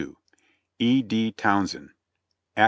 "E. D. TOWNSEND, "Act.